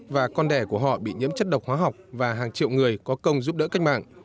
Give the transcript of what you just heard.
và con đẻ của họ bị nhiễm chất độc hóa học và hàng triệu người có công giúp đỡ cách mạng